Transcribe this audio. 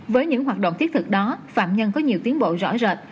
với những hoạt động thiết thực đó phạm nhân có nhiều tiến bộ rõ rệt